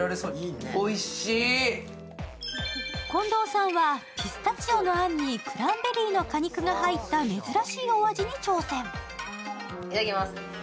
近藤さんはピスタチオのあんにクランベリーの果肉が入った珍しいお味に挑戦。